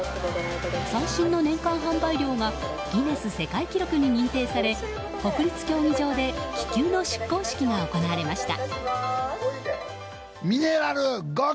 最新の年間販売量がギネス世界記録に認定され国立競技場で気球の出航式が行われました。